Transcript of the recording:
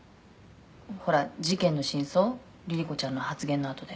「ほら事件の真相リリ子ちゃんの発言のあとで」